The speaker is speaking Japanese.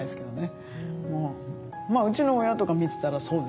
うちの親とか見てたらそうですね。